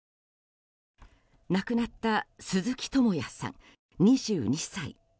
亡くなった鈴木智也さん、２２歳。